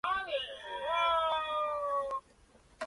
El resultado fue mejor de lo que el astuto Fink podría haber imaginado.